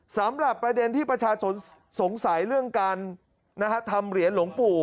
สำหรับประเด็นที่ประชาชนสงสัยเรื่องการทำเหรียญหลวงปู่